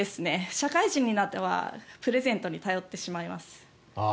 社会人になったらプレゼントに頼ってしまいます。